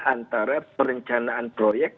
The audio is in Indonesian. antara perencanaan proyek